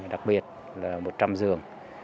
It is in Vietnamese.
đặc biệt là một trăm linh giường